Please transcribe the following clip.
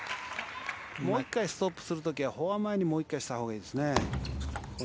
もう１回ストップした時はフォア前にしたほうがいいですね。